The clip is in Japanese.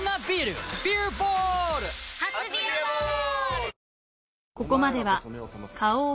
初「ビアボール」！